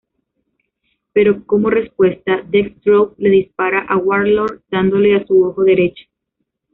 Pero como respuesta, Deathstroke le dispara a Warlord dándole a su ojo derecho.